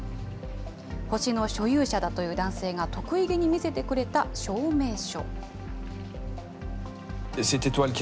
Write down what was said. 星の所有者だという男性が得意げに見せてくれた証明書。